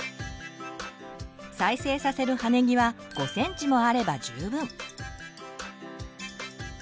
再生させる葉ねぎは５ｃｍもあれば十分！